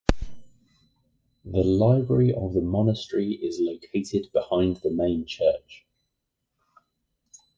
The library of the monastery is located behind the main church.